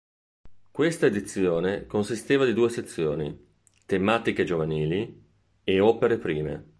Questa edizione consisteva di due sezioni: "Tematiche giovanili" e "Opere prime".